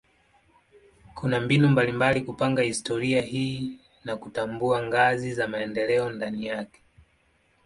Kuna mbinu mbalimbali kupanga historia hii na kutambua ngazi za maendeleo ndani yake.